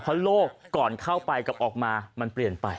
เพราะโลกก่อนเข้าไปกับออกมามันเปลี่ยนไป